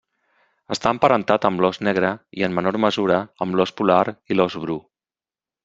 Està emparentat amb l'ós negre i en menor mesura amb l'ós polar i l'ós bru.